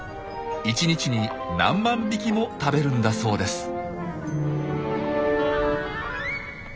１日に何万匹も食べるんだそうです。